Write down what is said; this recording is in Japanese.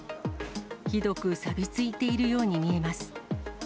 ひどくさび付いているように見えます。